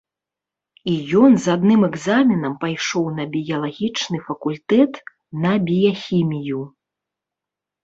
І ён з адным экзаменам пайшоў на біялагічны факультэт на біяхімію.